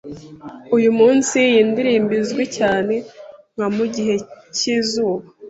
" Uyu munsi, iyi ndirimbo izwi cyane nka "Mugihe cyizuba."